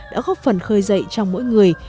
đã góp phần khơi dậy trong mỗi người